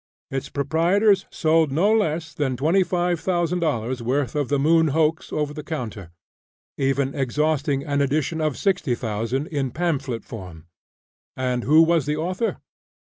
Its proprietors sold no less than $25,000 worth of the "Moon Hoax" over the counter, even exhausting an edition of sixty thousand in pamphlet form. And who was the author?